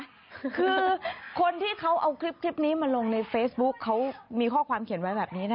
คือคนที่เขาเอาคลิปนี้มาลงในเฟซบุ๊คเขามีข้อความเขียนไว้แบบนี้นะคะ